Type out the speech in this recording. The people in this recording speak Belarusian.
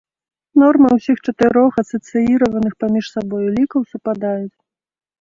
Нормы ўсіх чатырох асацыіраваных паміж сабою лікаў супадаюць.